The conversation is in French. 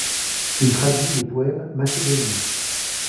Il traduit des poètes macédoniens.